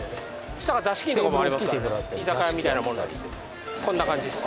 下が座敷のとこもありますから居酒屋みたいなもんなんすけどこんな感じっす